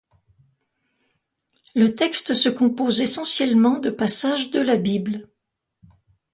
Le texte se compose essentiellement de passages de la Bible.